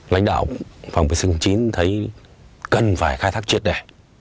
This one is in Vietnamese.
lãnh đạo phòng vệ sinh chính thấy cần phải khai thác triệt đẻ